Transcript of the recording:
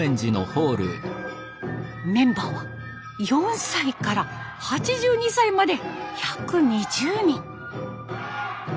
メンバーは４歳から８２歳まで１２０人。